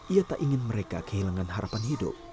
ia tak ingin mereka kehilangan harapan hidup